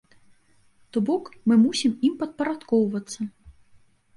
То бок мы мусім ім падпарадкоўвацца.